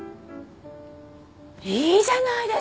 いいじゃないですか初詣！